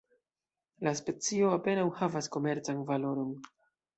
La specio apenaŭ havas komercan valoron.